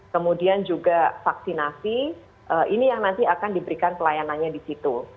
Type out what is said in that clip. kemudian juga vaksinasi ini yang nanti akan diberikan pelayanannya di situ